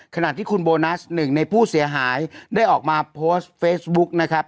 ขณะที่คุณโบนัสหนึ่งในผู้เสียหายได้ออกมาโพสต์เฟซบุ๊กนะครับ